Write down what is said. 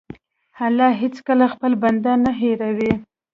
الله هېڅکله خپل بنده نه هېروي.